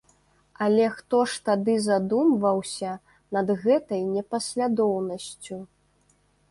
Але хто ж тады задумваўся над гэтай непаслядоўнасцю?